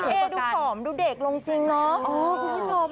เพราะว่าแฟนพี่น้องมาเยอะ